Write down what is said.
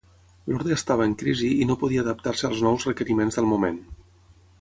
L'orde estava en crisi i no podia adaptar-se als nous requeriments del moment.